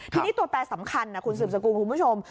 ทีนี้ตัวแปรสำคัญนะคุณสืบสกุลคุณผู้ชม